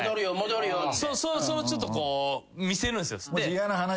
そのちょっとこう見せるんすよ。